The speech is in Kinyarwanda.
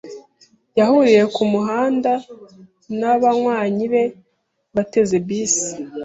Yahuriye ku muhanda na banywanyi be bateze bisi.